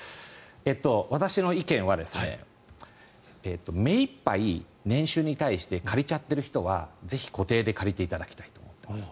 私の意見は目いっぱい年収に対して借りちゃっている人はぜひ固定で借りていただきたいと思っています。